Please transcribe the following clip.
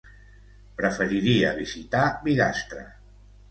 Preferiria visitar Bigastre.